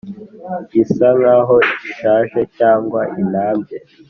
Isa nk aho ishaje cyangwa inambye